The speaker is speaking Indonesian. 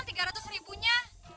yang rp tiga ratus ribunya